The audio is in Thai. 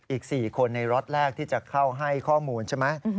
อีก๔คนในล็อตแรกที่จะเข้าให้ข้อมูลใช่ไหม